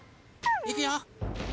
いくよ。